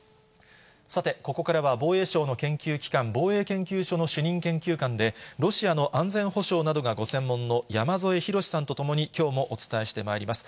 さて、ここからは防衛省の研究機関、防衛研究所の主任研究官で、ロシアの安全保障などがご専門の山添博史さんと共に、きょうもお伝えしてまいります。